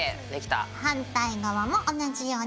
反対側も同じようにつけます。